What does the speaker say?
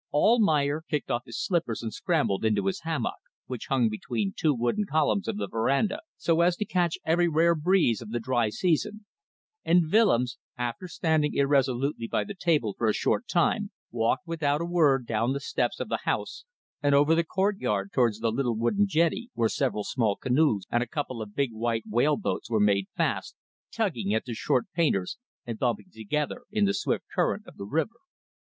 Almayer kicked off his slippers and scrambled into his hammock, which hung between two wooden columns of the verandah so as to catch every rare breeze of the dry season, and Willems, after standing irresolutely by the table for a short time, walked without a word down the steps of the house and over the courtyard towards the little wooden jetty, where several small canoes and a couple of big white whale boats were made fast, tugging at their short painters and bumping together in the swift current of the river.